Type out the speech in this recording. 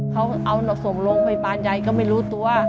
เขาเอาหนักส่งลงไปปานยายก็ไม่รู้ตัว